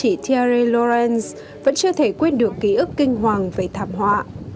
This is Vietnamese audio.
chị thierry lorens vẫn chưa thể quên được ký ức kinh hoàng về thảm họa